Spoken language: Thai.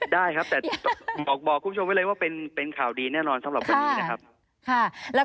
ได้ครับแต่บอกคุณผู้ชมไว้เลยว่าเป็นข่าวดีแน่นอนสำหรับวันนี้นะครับ